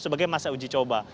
sebagai masa uji coba